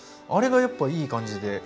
あれがやっぱいい感じで。